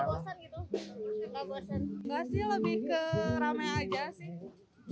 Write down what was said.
gak sih lebih ke ramai aja sih